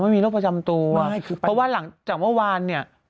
ไม่มีโรคประจำตัวใช่คือเพราะว่าหลังจากเมื่อวานเนี่ย